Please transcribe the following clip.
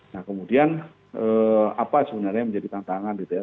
nah kemudian apa sebenarnya yang menjadi tantangan gitu ya